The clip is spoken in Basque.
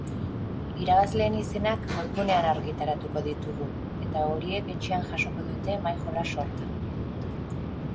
Irabazleen izenak webgunean argitaratuko ditugu, eta horiek etxean jasoko dute mahai-jolas sorta.